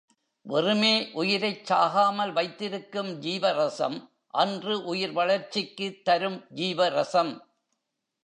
வெறுமே உயிரைச் சாகாமல் வைத்திருக்கு ஜீவரசம் அன்று உயிர் வளர்ச்சிக்கு தரும் ஜீவரசம்.